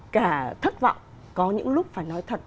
cả thất vọng có những lúc phải nói thật